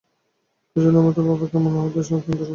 কিছুদিনের মতো বাবাকে এখান হইতে স্থানান্তরিত করা চাই।